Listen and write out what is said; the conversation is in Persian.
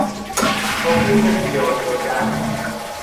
حقوق زیاد دادن